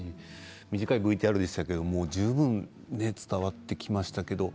短いＶＴＲでしたけれど十分伝わってきましたね。